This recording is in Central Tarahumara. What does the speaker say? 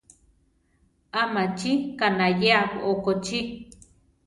¿A machi kanayéa okochí?